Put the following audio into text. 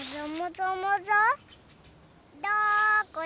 どこだ？